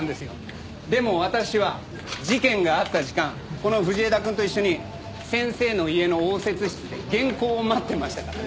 でも私は事件があった時間この藤枝くんと一緒に先生の家の応接室で原稿を待ってましたから。